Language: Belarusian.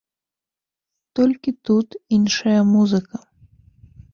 Толькі тут іншая музыка.